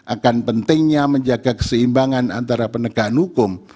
akan pentingnya menjaga keseimbangan antara penegakan hukum